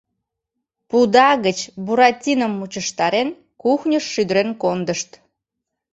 Пуда гыч Буратином мучыштарен, кухньыш шӱдырен кондышт.